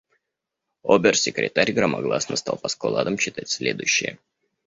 Обер-секретарь громогласно стал по складам читать следующее: